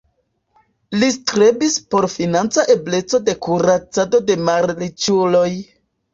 Li strebis por financa ebleco de kuracado de malriĉuloj.